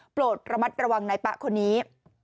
โปรดระมัดระวังนายป๊ะคนนี้